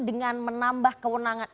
dengan menambah kewenangan dpr